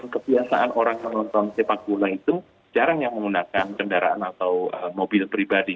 kebiasaan orang menonton sepak bola itu jarang yang menggunakan kendaraan atau mobil pribadi